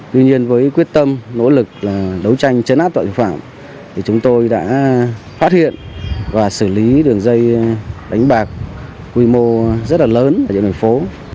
tuy nhiên với quyết tâm nỗ lực đấu tranh chấn áp tội phạm thì chúng tôi đã phát hiện và xử lý đường dây đánh bạc quy mô rất là lớn ở địa bàn phố